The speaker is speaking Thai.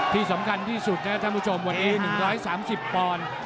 ที่สำคัญที่สุดนะท่านผู้ชมวันนี้๑๓๐ปอนด์